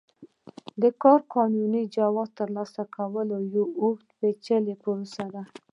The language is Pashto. د کار قانوني جواز ترلاسه کول یوه اوږده پېچلې پروسه ده.